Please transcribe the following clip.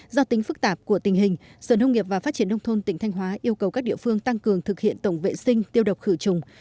do tính phức tạp của tình hình sở nông nghiệp và phát triển nông thôn tỉnh thanh hóa yêu cầu các địa phương tăng cường thực hiện tổng vệ sinh tiêu độc khử trùng